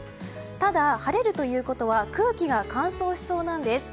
ただ、晴れるということは空気が乾燥しそうなんです。